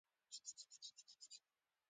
هغې وويل هسې دا ځای مې خوښ شو.